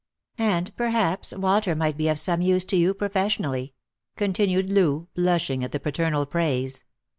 _" And perhaps Walter might be of some use to you profes sionally," continued Loo, blushing at the paternal praise.